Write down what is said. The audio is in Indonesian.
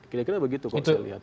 kira kira begitu kalau saya lihat